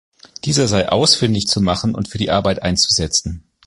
Dieser sei ausfindig zu machen und für die Arbeit einzusetzen.